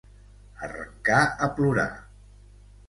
Arrencar a plorar.